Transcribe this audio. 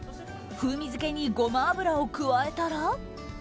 風味付けにゴマ油を加えたら。